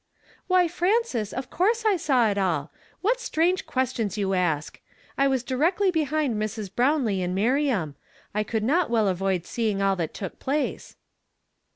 '' Why, Frances, of coui se I saw it all. What strange (juestions you ask ! I was directly behind Mrs. ih ownlce and Miriam ; I could not well avoid seeing all that took place."